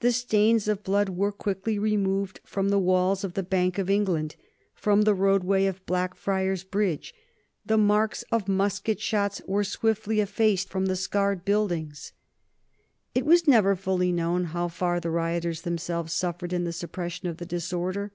The stains of blood were quickly removed from the walls of the Bank of England, from the roadway of Blackfriars Bridge. The marks of musket shots were swiftly effaced from the scarred buildings. [Sidenote: 1780 Suppression of the Gordon Riots] It was never fully known how far the rioters themselves suffered in the suppression of the disorder.